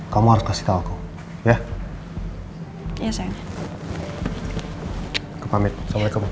sampai jumpa lagi